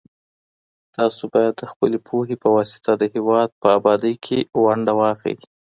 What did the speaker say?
تاسو بايد د خپلي پوهي په واسطه د هېواد په ابادۍ کي ونډه واخلئ.